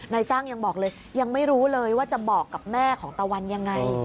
นายจ้างยังบอกเลยยังไม่รู้เลยว่าจะบอกกับแม่ของตะวันยังไง